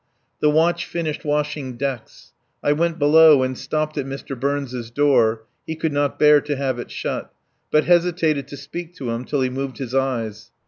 The watch finished washing decks. I went below and stopped at Mr. Burns' door (he could not bear to have it shut), but hesitated to speak to him till he moved his eyes.